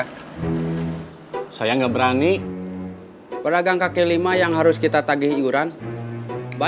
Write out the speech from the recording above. kita gak bisa ambil inisiatif sendiri aja